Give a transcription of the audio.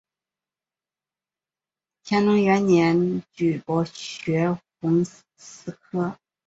乾隆元年举博学鸿词科。